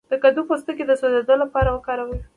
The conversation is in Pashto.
د کدو پوستکی د سوځیدو لپاره وکاروئ